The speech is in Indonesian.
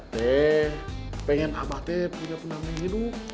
neng pengen abah teh punya penamping hidup